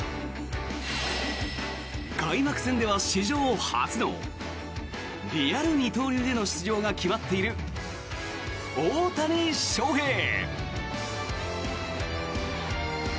開幕戦では史上初のリアル二刀流での出場が決まっている大谷翔平。